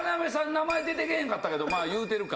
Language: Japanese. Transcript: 名前出てけえへんかったけどまあ言うてるか。